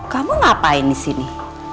kamu ngapain disini